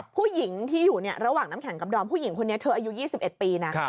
ผู้หญิงที่อยู่ระหว่างน้ำแข็งกับดอมผู้หญิงคนนี้เธออายุ๒๑ปีนะ